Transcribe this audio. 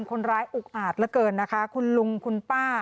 อุกอาจเหลือเกินนะคะคุณลุงคุณป้า